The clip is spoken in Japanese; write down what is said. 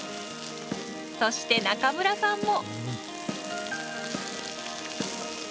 そして中村さんも。